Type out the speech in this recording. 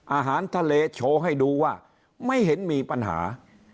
อาหารทะเลโชว์ให้ดูว่าไม่เห็นมีปัญหา